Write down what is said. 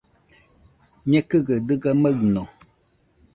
Ñekɨgaɨ dɨga maɨno